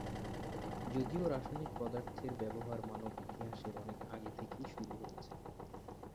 যদিও রাসায়নিক পদার্থের ব্যবহার মানব ইতিহাসের অনেক আগে থেকেই শুরু হয়েছে।